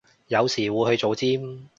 有時會去做尖